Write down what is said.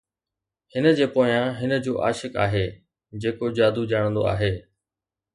هن جي پويان هن جو عاشق آهي جيڪو جادو ڄاڻندو آهي